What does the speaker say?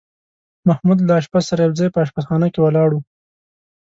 محمود له اشپز سره یو ځای په اشپزخانه کې ولاړ و.